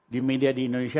di media di indonesia